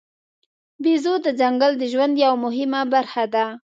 بیزو د ځنګل د ژوند یوه مهمه برخه ده.